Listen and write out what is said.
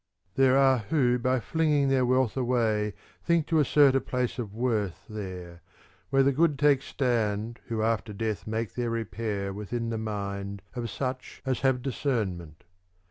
There are who by flinging their wealth away think to assert a place of worth there where the good take stand who after death make their repair within the mind of such as have discernment.